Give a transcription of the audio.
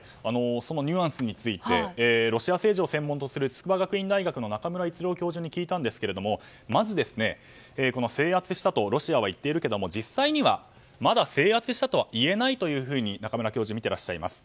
そのニュアンスについてロシア政治を専門とする筑波学院大学の中村逸郎教授に聞いたんですがまず、制圧したとロシアは言っているけれども実際にはまだ制圧したとはいえないと中村教授はみてらっしゃいます。